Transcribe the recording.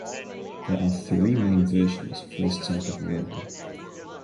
There are three main versions for this type of rug.